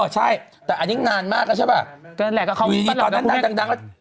อ๋อใช่แต่อันนี้นานมากแล้วใช่ป่ะเกินแหละกับความรู้สึกอยู่ดีตอนนั้นนางนางนาง